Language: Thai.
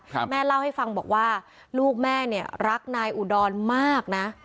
แม่เล่าให้ฟังบอกว่าลูกแม่เนี่ยรักนายอุดรมากนะ